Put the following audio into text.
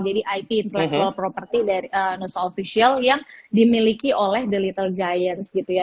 jadi ip intellectual property dari nusa official yang dimiliki oleh the little giants gitu ya